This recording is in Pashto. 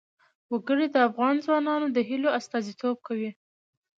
وګړي د افغان ځوانانو د هیلو استازیتوب کوي.